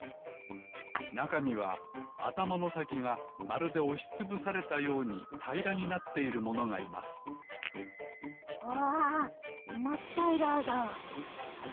なかにはあたまのさきがまるでおしつぶされたようにたいらになっているものがいますわまったいらだ！